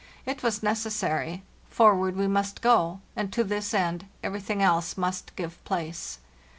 It was necessary; for ward we must go, and to this end everything else must give place.